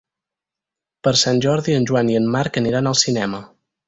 Per Sant Jordi en Joan i en Marc aniran al cinema.